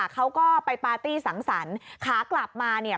เขาก็ไปปาร์ตี้สังสรรค์ขากลับมาเนี่ย